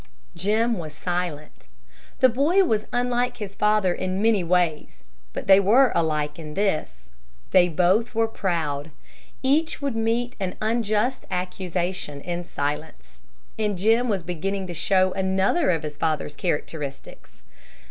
Jim was silent. The boy was unlike his father in many ways, but they were alike in this: they both were proud. Each would meet an unjust accusation in silence. And Jim was beginning to show another of his father's characteristics.